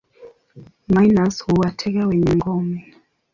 Minus huwatega kwenye ngome.